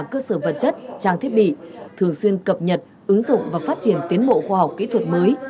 cơ sở vật chất trang thiết bị thường xuyên cập nhật ứng dụng và phát triển tiến bộ khoa học kỹ thuật mới